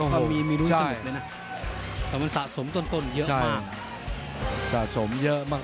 ก็มีมีรุ่นสมุดเลยน่ะแต่มันสะสมต้นเยอะมาก